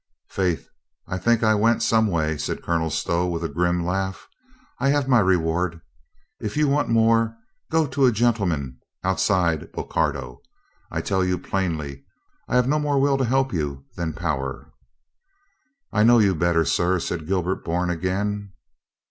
"Faith, I think I went some way," said Colonel Stow with a grim laugh. "I have my reward. If you want more, go to a gentleman outside Bocardo. I tell you plainly I have no more will to help you than power." "I know you better, sir," said Gilbert Bourne again.